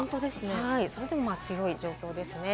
それでも強い状況です。